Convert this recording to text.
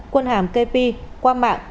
quân hàm kp qua mạng